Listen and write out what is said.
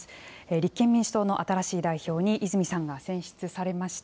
立憲民主党の新しい代表に泉さんが選出されました。